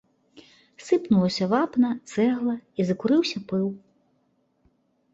Сыпнулася вапна, цэгла, і закурыўся пыл.